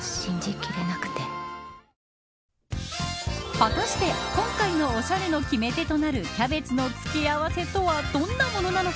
果たして今回のおしゃれの決め手となるキャベツの付け合わせとはどんなものなのか。